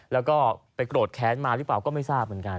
แล้วก็ไปโกรธแค้นมาหรือเปล่าก็ไม่ทราบเหมือนกัน